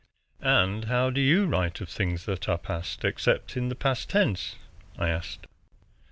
"And how do you write of things that are past except in the past tense?" I asked.